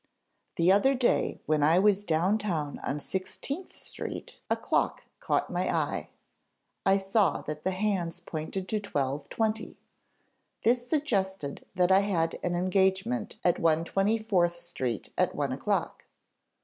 "The other day when I was down town on 16th Street a clock caught my eye. I saw that the hands pointed to 12.20. This suggested that I had an engagement at 124th Street, at one o'clock.